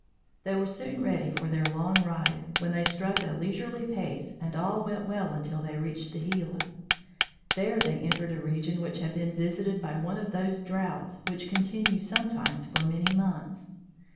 They were soon ready for their long ride, when they struck a leisurely pace and all went well until they reached the Gila. There they entered a region which had been visited by one of those droughts which continue sometimes for many months.